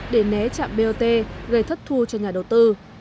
để né trạm bot gây thất thu cho nhà đầu tư